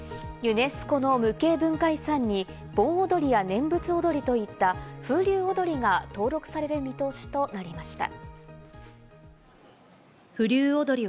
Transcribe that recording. ユネスコの無形文化遺産に盆踊や念仏踊りといった、風流踊が登録される見通しとなりました。